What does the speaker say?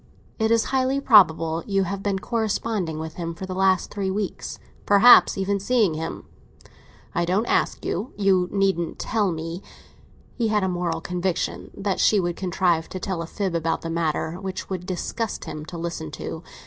It is highly probable you have been corresponding with him for the last three weeks—perhaps even seeing him. I don't ask you—you needn't tell me." He had a moral conviction that she would contrive to tell a fib about the matter, which it would disgust him to listen to.